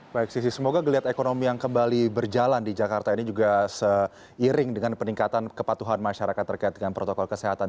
baik sisi semoga geliat ekonomi yang kembali berjalan di jakarta ini juga seiring dengan peningkatan kepatuhan masyarakat terkait dengan protokol kesehatan